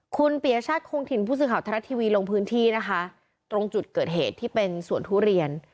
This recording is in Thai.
คุณปียชาติคงถิ่นผู้สื่อข่าวทรัฐทีวีลงพื้นที่นะคะตรงจุดเกิดเหตุที่เป็นสวนทุเรียน